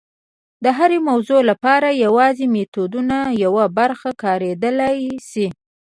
د هرې موضوع لپاره یوازې د میتودونو یوه برخه کارېدلی شي.